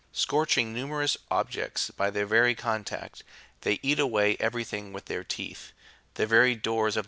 Scorching numerous objects by their very contact, they eat away everything with their teeth, the very doors of the houses even.